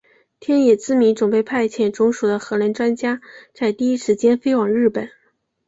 天野之弥准备派遣总署的核能专家在第一时间飞往日本。